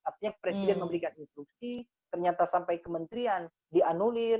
artinya presiden memberikan instruksi ternyata sampai kementerian dianulir